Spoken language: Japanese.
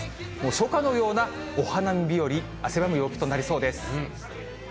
初夏のようなお花見日和、汗ばむ陽気となりそうです。